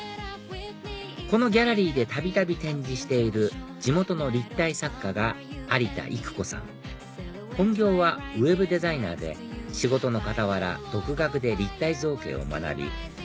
このギャラリーでたびたび展示している地元の立体作家が有田依句子さん本業はウェブデザイナーで仕事の傍ら独学で立体造形を学び